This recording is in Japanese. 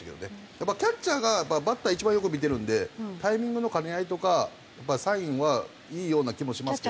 やっぱキャッチャーがバッター一番よく見てるんでタイミングの兼ね合いとかやっぱりサインはいいような気もしますけど。